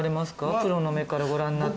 プロの目からご覧になって。